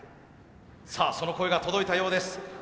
さあその声が届いたようです。